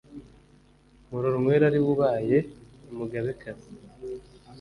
Murorunkwere ari we ubaye umugabekazi